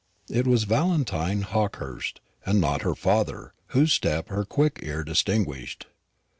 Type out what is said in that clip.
It was Valentine Hawkehurst, and not her father, whose step her quick ear distinguished.